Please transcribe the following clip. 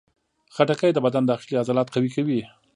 خټکی د بدن داخلي عضلات قوي کوي.